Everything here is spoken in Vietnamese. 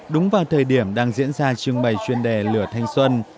đúng vào thời điểm đang diễn ra trưng bày chuyên đề lửa thanh xuân